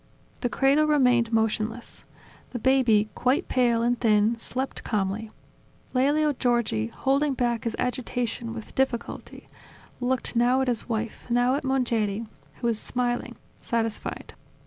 The cradle remained motionless: the baby, quite pale, and thin, slept calmly. Lelio Giorgi, holding back his agitation with difficulty, looked now at his wife, now at Mongeri, who was smiling, satisfied.